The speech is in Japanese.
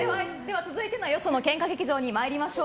続いてのよその喧嘩劇場に参りましょう。